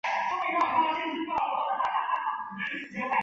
无人居住的陆家新屋破损速度加快。